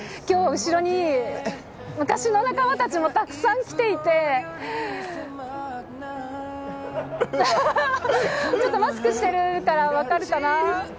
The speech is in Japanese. きょう、後ろに昔の仲間たちもたくさん来ていて、ちょっとマスクしてるから、分かるかな。